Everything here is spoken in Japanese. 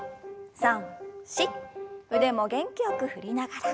腕も元気よく振りながら。